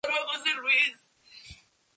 Las hojas crecen directamente desde la raíz.